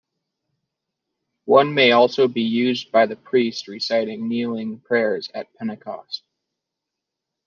One may also be used by the priest reciting Kneeling Prayers at Pentecost.